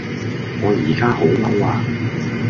我依家好嬲呀